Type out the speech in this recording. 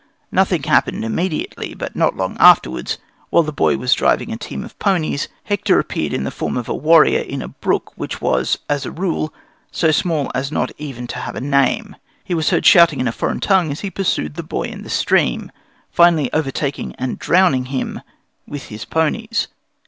Nothing happened immediately, but not long afterwards, while the boy was driving a team of ponies, Hector appeared in the form of a warrior in a brook which was, as a rule, so small as not even to have a name. He was heard shouting in a foreign tongue as he pursued the boy in the stream, finally overtaking and drowning him with his ponies.